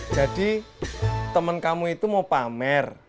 jadi temen kamu itu mau pamer